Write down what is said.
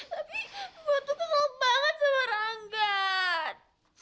tapi gua tuh kesal banget sama ranggan